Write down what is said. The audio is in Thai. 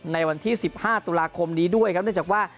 ในวันที่๑๕ตุลาคมนี้ด้วยครับเนื่องจากว่า